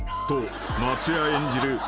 ［と松也演じる